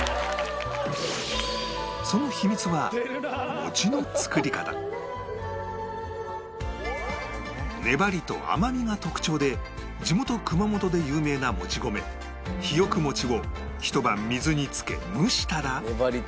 その粘りと甘みが特徴で地元熊本で有名なもち米ヒヨクモチをひと晩水に漬け蒸したら